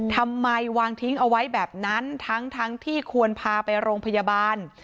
ทำไมวางทิ้งเอาไว้แบบนั้นทั้งที่ควรพาไปโรงพยาบาล